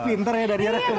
pinter ya dari arahnya